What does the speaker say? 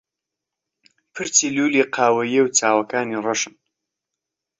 پرچی لوولی قاوەیییە و چاوەکانی ڕەشن.